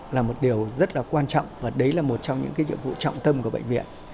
là một điều rất là quan trọng và đấy là một trong những nhiệm vụ trọng tâm của bệnh viện